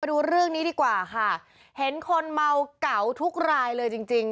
ดูเรื่องนี้ดีกว่าค่ะเห็นคนเมาเก๋าทุกรายเลยจริงจริง